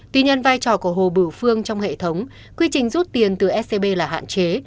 tuy nhiên vai trò của hồ bửu phương trong hệ thống quy trình rút tiền từ scb là hạn chế